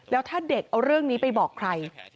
แล้วถ้าเด็กเอาเรื่องนี้ไปบอกใคร